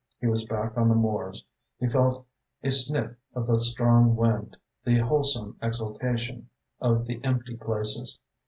He was back on the moors, he felt a sniff of the strong wind, the wholesome exaltation of the empty places.